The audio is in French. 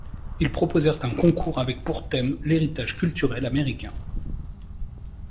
Ils proposèrent un concours avec pour thème, l'héritage culturel américain.